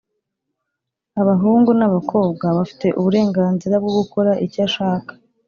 abahungu n’abakobwa bafite uburenganzirabwogukora icyo ashaka